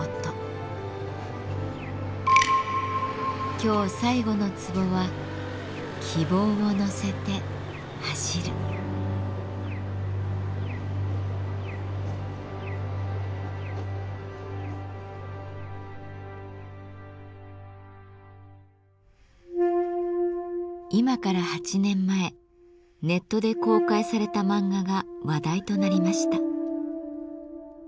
今日最後のツボは今から８年前ネットで公開された漫画が話題となりました。